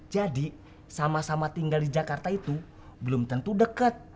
jadi sama sama tinggal di jakarta itu belum tentu deket